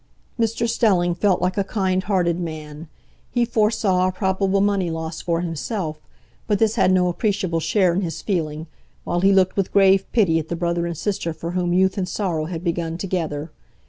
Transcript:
Mr Stelling felt like a kind hearted man; he foresaw a probable money loss for himself, but this had no appreciable share in his feeling, while he looked with grave pity at the brother and sister for whom youth and sorrow had begun together.